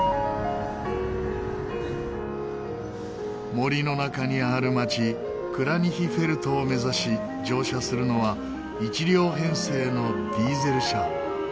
森の中にある町クラニヒフェルトを目指し乗車するのは１両編成のディーゼル車。